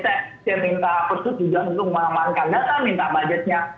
saya minta khusus juga untuk melamankan data minta budgetnya